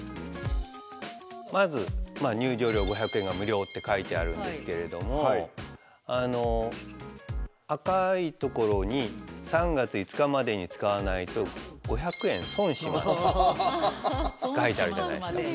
まず入城料５００円が無料って書いてあるんですけれども赤いところに３月５日までに使わないと５００円損しますって書いてあるじゃないですか。